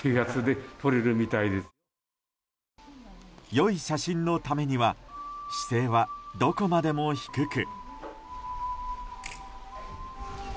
良い写真のためには姿勢はどこまでも低く。